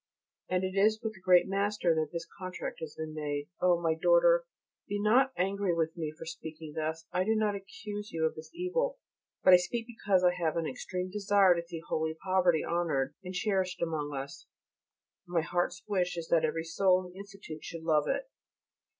And it is with the great Master that this contract has been made. Oh! my daughter, be not angry with me for speaking thus. I do not accuse you of this evil, but I speak because I have an extreme desire to see holy poverty honoured and cherished amongst us, and my heart's wish is that every soul in the Institute should love it.